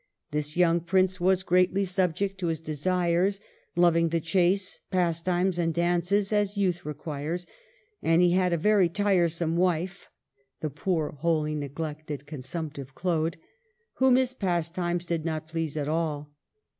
This young Prince was greatly subject to his desires, loving the chase, pastimes, and dances, as youth requires ; and he had a very tiresome wife [the poor, holy, neglected, consumptive Claude], whom his pastimes did not please at all.